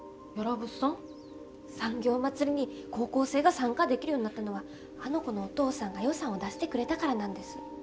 産業まつりに高校生が参加できるようになったのはあの子のお父さんが予算を出してくれたからなんです。